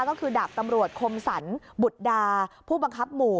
ก็คือดาบตำรวจคมสรรบุตรดาผู้บังคับหมู่